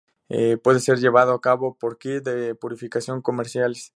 Puede ser llevado a cabo por kits de purificación comerciales.